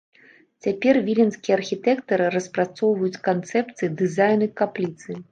Цяпер віленскія архітэктары распрацоўваюць канцэпцыі дызайну капліцы.